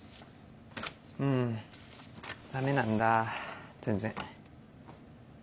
うんダメなんだ全然。